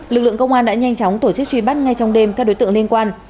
lực lượng công an đã nhanh chóng tổ chức truy bắt ngay trong đêm các đối tượng liên quan